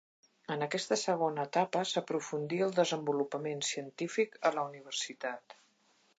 En aquesta segona etapa s'aprofundí el desenvolupament científic a la Universitat.